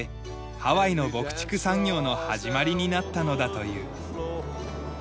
ハワイの牧畜産業の始まりになったのだという。